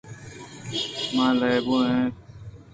ما لَیب ءَ ات ایں۔